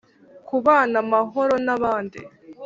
Kubana amahoro n abandi